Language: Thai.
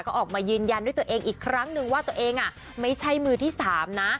ก็ออกมายืนยันด้วยตัวเองอีกครั้งนึงว่าตัวเองไม่ใช่มือที่๓นะ